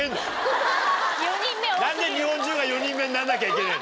何で日本中が４人目になんなきゃいけねえんだ。